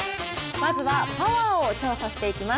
まずはパワーを調査していきます。